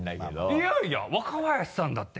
いやいや若林さんだって。